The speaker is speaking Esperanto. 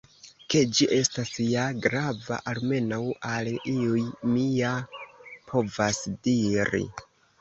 Ke ĝi estas ja grava almenaŭ al iuj, mi ja povas diri.